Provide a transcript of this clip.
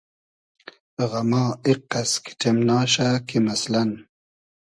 غئما ایقئس کیݖیمناشۂ کی مئسلئن